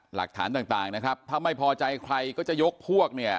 หลักฐานต่างนะครับถ้าไม่พอใจใครก็จะยกพวกเนี่ย